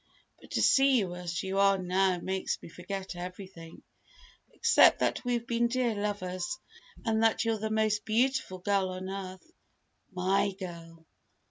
But to see you as you are now makes me forget everything, except that we've been dear lovers, and that you're the most beautiful girl on earth my girl!